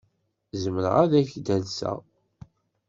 Zemreɣ ad ak-d-alseɣ?